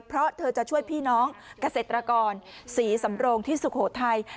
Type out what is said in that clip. เพราะเธอจะช่วยพี่น้องเกษตรกรศรีสำโรงที่สุโขทัย